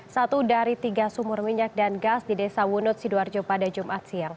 satu dari tiga sumur minyak dan gas di desa wunut sidoarjo pada jumat siang